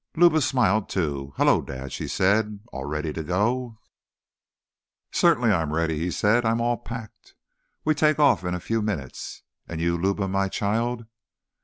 Luba smiled, too. "Hello, Dad," she said. "All ready to go?" "Certainly I am ready," he said. "I am all packed. We take off in a few minutes. And you, Luba, my child?"